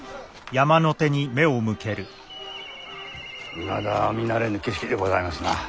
いまだ見慣れぬ景色でございますな。